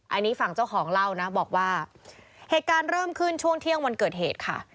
อันนี้ฝั่งเจ้าของเล่านะบอกว่าเหตุการณ์เริ่มขึ้นช่วงเที่ยงวันเกิดเหตุค่ะ